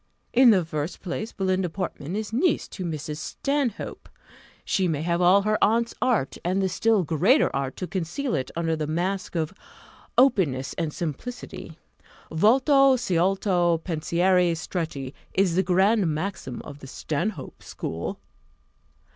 In the first place, Belinda Portman is niece to Mrs. Stanhope; she may have all her aunt's art, and the still greater art to conceal it under the mask of openness and simplicity: Volto sciolto, pensieri stretti, is the grand maxim of the Stanhope school."